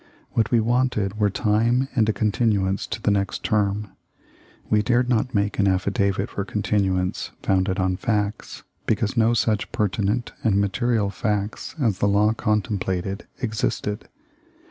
What we wanted were time and a continuance to the next term. We dared not make an affidavit for contin uance, founded on facts, because no such pertinent and material facts as the law contemplated existed.